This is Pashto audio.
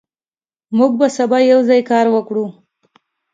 موږ به سبا یوځای کار وکړو.